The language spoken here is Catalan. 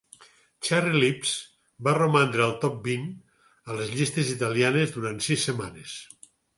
"Cherry Lips" va romandre al top vint a les llistes italianes durant sis setmanes.